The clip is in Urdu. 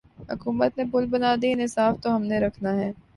حکومت نے پل بنادیئے انہیں صاف تو ہم نے رکھنا ہے۔